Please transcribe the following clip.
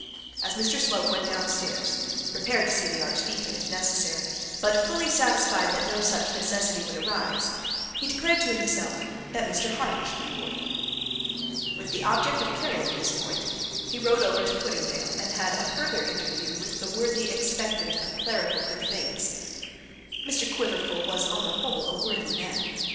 As Mr Slope went down stairs prepared to see the archdeacon if necessary, but fully satisfied that no such necessity would arise, he declared to himself that Mr Harding should be warden. With the object of carrying this point he rode over to Puddingdale, and had a further interview with the worthy expectant of clerical good things. Mr Quiverful was on the whole a worthy man.